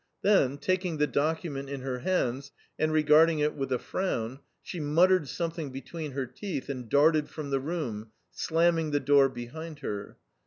Then, taking the document in her hands and regarding it with a frown, she muttered something between her teeth, and darted from the room, slamming the door behind her.